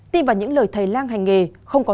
tin vào những lời thầy lang hành nghề